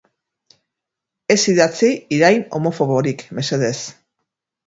Ez idatzi irain homofoborik, mesedez.